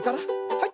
はい。